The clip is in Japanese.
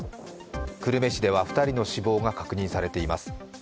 久留米市では２人の死亡が確認されています。